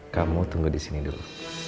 kamu tunggu di sini dulu